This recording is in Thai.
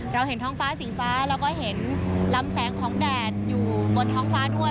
เห็นท้องฟ้าสีฟ้าแล้วก็เห็นลำแสงของแดดอยู่บนท้องฟ้าด้วย